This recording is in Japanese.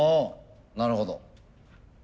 なるほど。